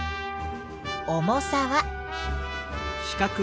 重さは。